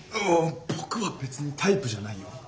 おっ僕は別にタイプじゃないよ。